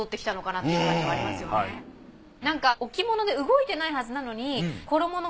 なんか置物で動いてないはずなのに。